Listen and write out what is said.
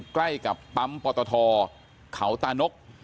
ใกล้กับปั๊มปตทเขาตานก